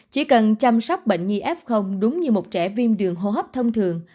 chỉ cần chăm sóc bệnh nhi f đúng như một trẻ viêm đường hô hấp thông thường